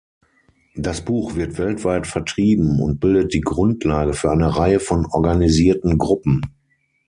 Das Buch wird weltweit vertrieben und bildet die Grundlage für eine Reihe von organisierten Gruppen.